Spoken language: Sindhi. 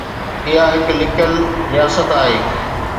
اُها هڪ لڪل رياست هئي.